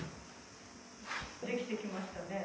できてきましたね。